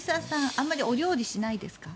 あんまりお料理しないですか。